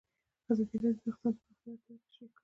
ازادي راډیو د اقتصاد د پراختیا اړتیاوې تشریح کړي.